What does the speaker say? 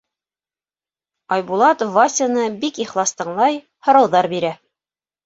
Айбулат Васяны бик ихлас тыңлай, һорауҙар бирә: